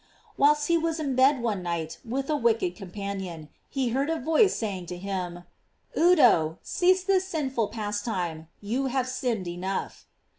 Whilst he was in bed one night with a wicked companion, he heard a voice saying to him: "Udo, cease this sinful pastime; you have sinned enough."